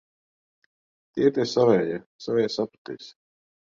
Tie ir tie savējie. Savējie sapratīs.